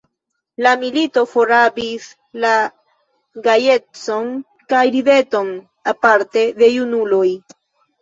La milito forrabis la gajecon kaj rideton, aparte de junuloj.